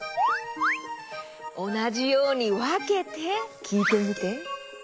おなじようにわけてきいてみて。